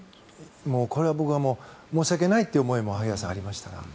これは僕は申し訳ないという思いもありました。